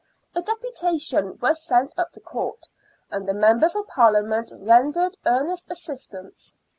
A deputation was sent up to Court, and the Members of ParUament rendered earnest assistance.